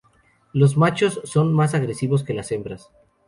Los machos son más agresivos que las hembras.